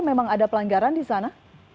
memang ada pelanggaran di sana